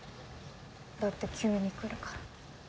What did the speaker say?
だって急に来るから。